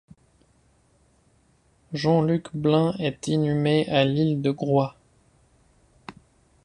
Jean Luc Blain est inhumé à l'ile de Groix.